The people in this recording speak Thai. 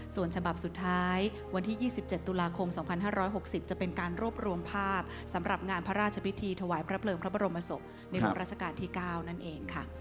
ส่วนฉบับสุดท้ายวันที่๒๗ตุลาคม๒๕๖๐จะเป็นการรวบรวมภาพสำหรับงานพระราชพิธีถวายพระเพลิงพระบรมศพในหลวงราชการที่๙นั่นเองค่ะ